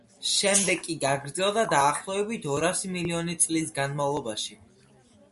შემდეგ კი გაგრძელდა დაახლოებით ორასი მილიონი წლის განმავლობაში.